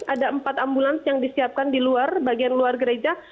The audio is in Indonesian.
ada empat ambulans yang disiapkan di luar bagian luar gereja